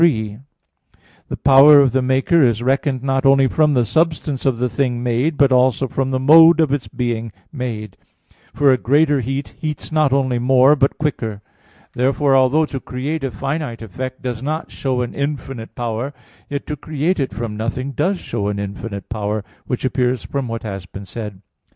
3: The power of the maker is reckoned not only from the substance of the thing made, but also from the mode of its being made; for a greater heat heats not only more, but quicker. Therefore although to create a finite effect does not show an infinite power, yet to create it from nothing does show an infinite power: which appears from what has been said (ad 2).